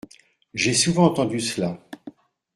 J’ai souvent entendu cela.